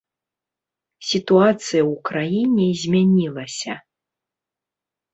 Сітуацыя ў краіне змянілася.